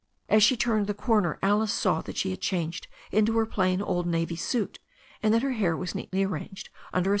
As she turned the corner Alice saw that she had changed into her plain old navy suit, and that her hair was neatly arranged uudet z.